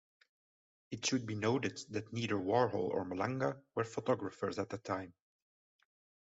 It should be noted that neither Warhol or Malanga were photographers at the time.